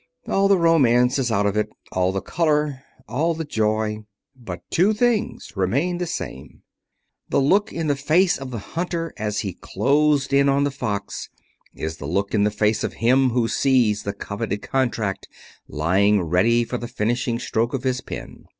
All the romance is out of it, all the color, all the joy. But two things remain the same: The look in the face of the hunter as he closed in on the fox is the look in the face of him who sees the coveted contract lying ready for the finishing stroke of his pen.